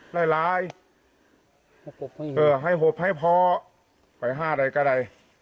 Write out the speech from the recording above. ร้ายร้ายให้หบให้พอไข่ห้าใดกะได้